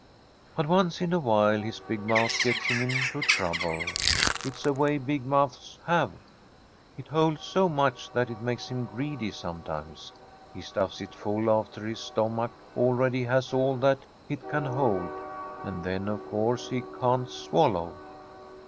But once in a while his big mouth gets him into trouble. It's a way big mouths have. It holds so much that it makes him greedy sometimes. He stuffs it full after his stomach already has all that it can hold, and then of course he can't swallow.